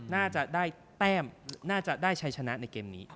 น่าจะได้แต้มน่าจะได้ใช้ชนะในเกมนี้